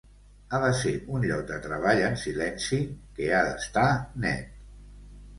Ha de ser un lloc de treball en silenci que ha d'estar net.